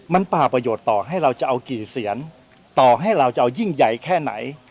มันป่าประโยชน์ต่อให้เราจะเอากี่เสียนต่อให้เราจะเอายิ่งใหญ่แค่ไหน